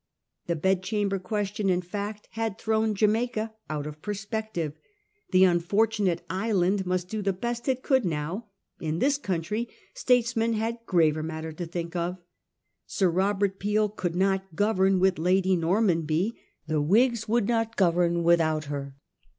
The bedchamber question in fact had thrown Jamaica out of perspec . tive. The unfortunate island must do the best it. could now ; in this country statesmen had graver matter to think of. Sir Robert Peel could not govern with Lady Normanby ; the "Whigs would not govern without her.